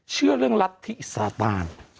เชื่อเรื่องรักที่สาตาล